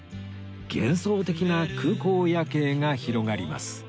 幻想的な空港夜景が広がります